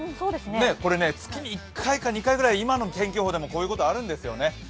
これ、月に１回か２回ぐらい今の天気予報でもこういうことあるんですよね。